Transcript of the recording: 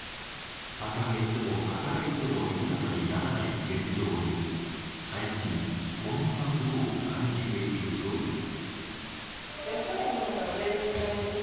働いても働いても豊かにならない現状に最近、こんなことを感じているという。